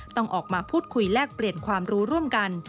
ต้องออกมาพูดคุยแลกเปลี่ยนความรู้ร่วมกัน